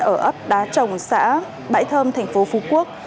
ở ấp đá trồng xã bãi thơm thành phố phú quốc